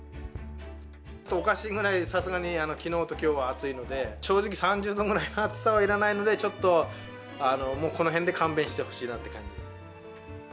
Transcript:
おかしいくらい、さすがにきのうときょうは暑いので、正直、３０度ぐらいの暑さはいらないので、ちょっともう、このへんで勘弁してほしいなって感じ。